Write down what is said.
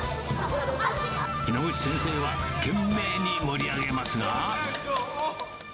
猪口先生は、懸命に盛り上げますが。